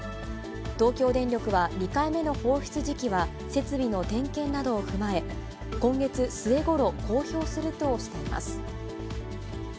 東京電力は２回目の放出時期は、設備の点検などを踏まえ、今月末ごろ公表するとしています。